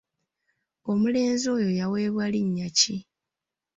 Omulenzi oyo yaweebwa linnya ki ?